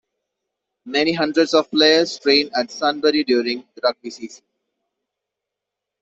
Many hundreds of players train at Sunbury during the rugby season.